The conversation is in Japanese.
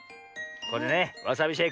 これねわさびシェイク。